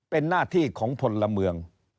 เป็นหน้าที่ของพลเมือง